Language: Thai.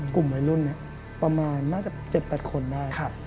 กลุ่มวัยรุ่นประมาณน่าจะ๗๘คนได้